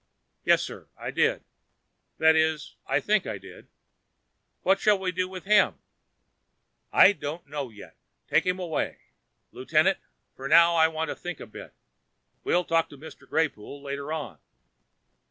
"Yes sir, I did. That is, I think I did. What shall we do with him?" "I don't know, yet. Take him away, Lieutenant, for now. I want to think a bit. We'll talk to Mr. Greypoole later on."